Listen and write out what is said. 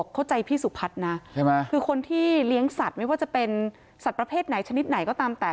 เข้าใจพี่สุพัฒน์นะใช่ไหมคือคนที่เลี้ยงสัตว์ไม่ว่าจะเป็นสัตว์ประเภทไหนชนิดไหนก็ตามแต่